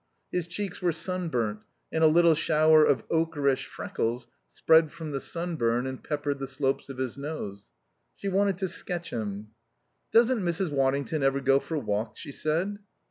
His cheeks were sunburnt, and a little shower of ochreish freckles spread from the sunburn and peppered the slopes of his nose. She wanted to sketch him. "Doesn't Mrs. Waddington ever go for walks?" she said.